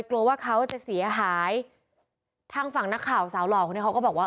กลัวว่าเขาจะเสียหายทางฝั่งนักข่าวสาวหล่อคนนี้เขาก็บอกว่า